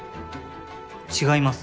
違います。